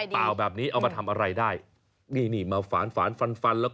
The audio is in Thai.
เอาระบบคัตเตอร์กรีดให้มันเป็นรูปร่างต่าง